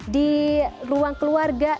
di ruang keluarga